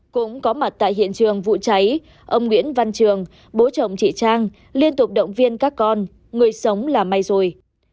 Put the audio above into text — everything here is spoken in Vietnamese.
cũng có mặt tại hiện trường vụ cháy ông nguyễn văn trường bố chồng chị trang liên tục động viên các con người sống là may rồi